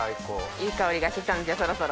いい香りがして来たんでそろそろ。